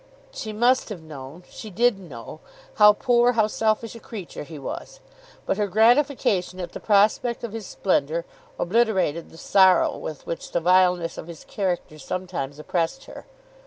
She must have known, she did know, how poor, how selfish a creature he was. But her gratification at the prospect of his splendour obliterated the sorrow with which the vileness of his character sometimes oppressed her.